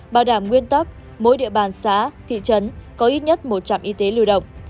bảo đảm nguyên tắc mỗi địa bàn xã thị trấn có ít nhất một trạm y tế lưu động